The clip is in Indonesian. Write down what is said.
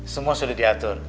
semua sudah diatur